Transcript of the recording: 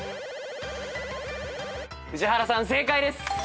宇治原さん正解です。